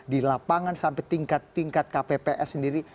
di lapangan sampai tingkat tingkat kpps sendiri